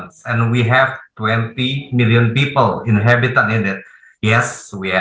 dan kita memiliki dua puluh juta orang yang berumur di dalamnya